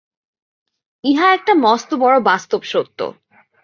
ইহা একটা মস্ত বড় বাস্তব সত্য।